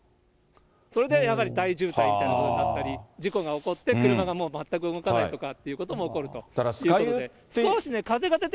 それでやはり大渋滞みたいなことになったり、事故が起こって、車がもう全く動かないっていうこととかも起こるということで。